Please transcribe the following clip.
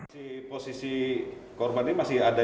si posisi korban ini masih ada